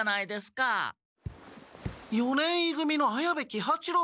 四年い組の綾部喜八郎。